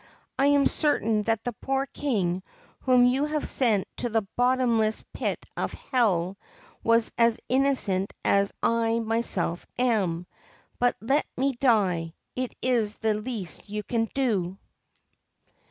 I am certain that the poor King, whom you have sent to the bottomless pit of hell, was as innocent as I myself am ; but let me die : it is the least you can do.'